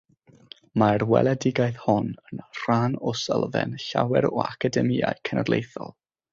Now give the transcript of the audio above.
Mae'r weledigaeth hon yn rhan o sylfaen llawer o Academïau Cenedlaethol.